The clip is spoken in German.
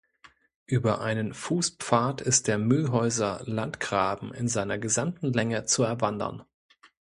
Über einen Fußpfad ist der Mühlhäuser Landgraben in seiner gesamten Länge zu erwandern.